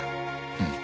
うん。